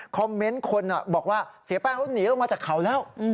เมนต์คนบอกว่าเสียแป้งเขาหนีลงมาจากเขาแล้ว